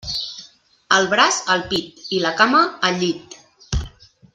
El braç, al pit; i la cama, al llit.